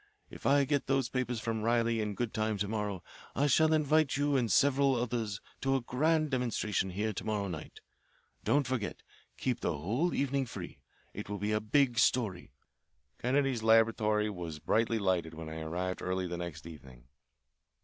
If I get those papers from Riley in good time to morrow I shall invite you and several others to a grand demonstration here to morrow night. Don't forget. Keep the whole evening free. It will be a big story." Kennedy's laboratory was brightly lighted when I arrived early the next evening.